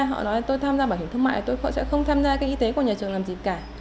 họ nói tôi tham gia bảo hiểm thương mại tôi họ sẽ không tham gia cái y tế của nhà trường làm gì cả